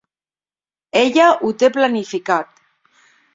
Ella ho té planificat.